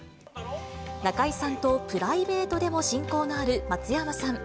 中井さんとプライベートでも親交のある松山さん。